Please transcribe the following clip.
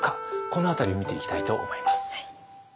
この辺りを見ていきたいと思います。